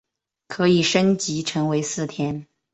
可以升级成为四天。